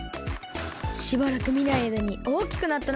しばらくみないあいだにおおきくなったな。